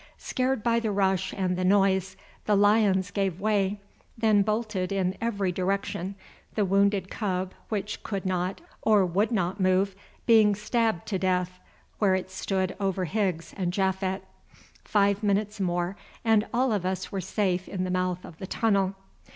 Scared by the rush and the noise, the lions gave way, then bolted in every direction, the wounded cub, which could not, or would not move, being stabbed to death where it stood over Higgs and Japhet. Five minutes more and all of us were safe in the mouth of the tunnel.